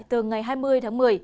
từ ngày hai mươi tháng một mươi